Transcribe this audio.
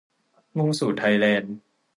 มุ่งสู่ไทยแลนด์